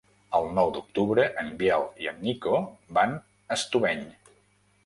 El nou d'octubre en Biel i en Nico van a Estubeny.